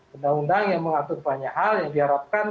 bendang bendang yang mengatur banyak hal yang diharapkan